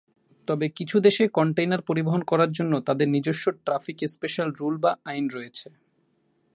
তবে কিছু দেশে কন্টেইনার পরিবহন করার জন্য তাদের নিজস্ব ট্রাফিক স্পেশাল রুল বা আইন রয়েছে।